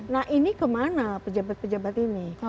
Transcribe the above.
nah ini kemana pejabat pejabat ini